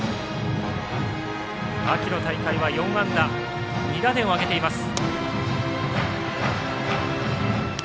秋の大会は４安打２打点を挙げています。